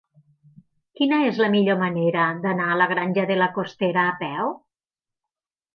Quina és la millor manera d'anar a la Granja de la Costera a peu?